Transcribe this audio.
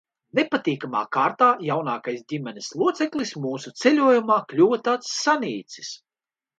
Nepatīkamā kārtā jaunākais ģimenes loceklis mūsu ceļojumā kļuva tāds sanīcis.